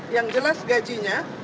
yang jelas gajinya